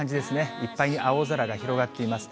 いっぱいに青空が広がっています。